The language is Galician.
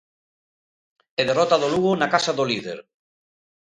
E derrota do Lugo na casa do líder.